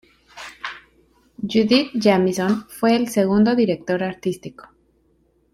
Judith Jamison fue el segundo director artístico.